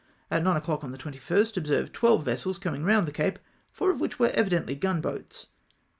At 9 o'clock on the 21st, observed twelve vessels coming round the Cape, four of which were evidently gunboats.